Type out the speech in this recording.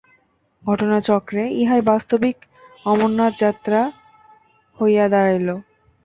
ঘটনাচক্রে ইহাই বাস্তবিক অমরনাথ-যাত্রা হইয়া দাঁড়াইল।